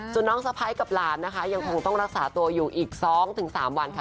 ส่วนน้องสะพ้ายกับหลานนะคะยังคงต้องรักษาตัวอยู่อีก๒๓วันค่ะ